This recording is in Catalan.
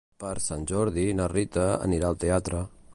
Per Sant Jordi na Rita anirà al teatre.